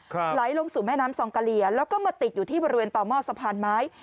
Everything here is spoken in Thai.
ไหลลงสู่แม่น้ำซองกะเลียแล้วก็มาติดอยู่ที่บริเวณต่อหม้อสะพานไม้